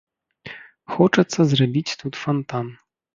Хочацца зрабіць тут фантан.